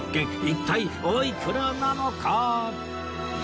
一体おいくらなのか？